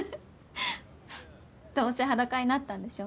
どうせ裸になったんでしょ